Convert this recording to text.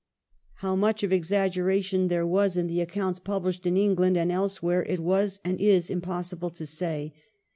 How much of exaggeration 456 THE NEW TORYISM [1874 there was in the accounts published in England and elsewhere, it was and is impossible to say.